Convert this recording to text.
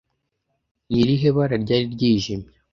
Ni irihe bara ryari ryijimye